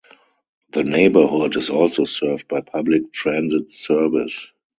The neighborhood is also served by public transit service.